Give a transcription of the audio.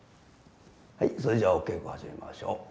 はいそれじゃお稽古始めましょう。